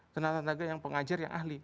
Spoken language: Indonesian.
tenaga tenaga yang pengajar yang ahli